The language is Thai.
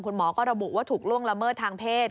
คุณหมอก็ระบุว่าถูกล่วงละเมิดทางเพศ